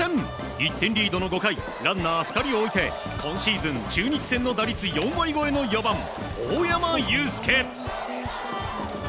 １点リードの５回ランナー２人を置いて今シーズン、中日戦の打率４割超えの大山悠輔。